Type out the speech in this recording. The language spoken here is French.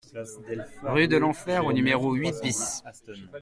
Rue de l'Enfer au numéro huit BIS